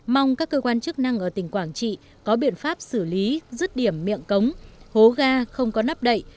mong các cơ quan chức năng ở tỉnh quảng trị có biện pháp xử lý rứt điểm miệng cống hố ga không có nắp đậy